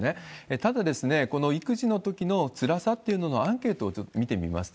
ただ、この育児のときのつらさというののアンケートを見てみますと、